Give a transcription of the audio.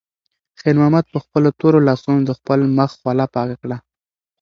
خیر محمد په خپلو تورو لاسونو د خپل مخ خوله پاکه کړه.